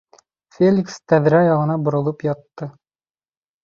Феликс тәҙрә яғына боролоп ятты.